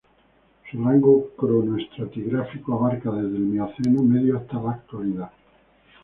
Su rango cronoestratigráfico abarca desde el Mioceno medio hasta la Actualidad.